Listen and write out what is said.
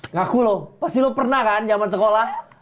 ngaku loh pasti lo pernah kan zaman sekolah